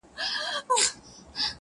هغه له وېرې څخه لرې له انسانه تښتي,